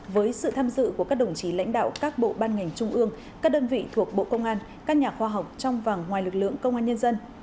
với sự tham dự của các đồng chí lãnh đạo các bộ ban ngành trung ương các đơn vị thuộc bộ công an các nhà khoa học trong và ngoài lực lượng công an nhân dân